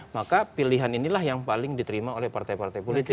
maka pilihan inilah yang paling diterima oleh partai partai politik